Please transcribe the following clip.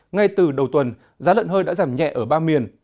ngay từ đầu tuần giá lợn hơi đã giảm nhẹ ở ba miền